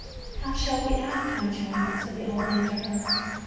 "How shall we act, my child?" said the old man to her.